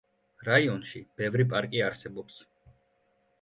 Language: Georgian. რაიონში ბევრი პარკი არსებობს.